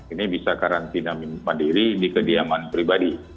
ini bisa karantina mandiri di kediaman pribadi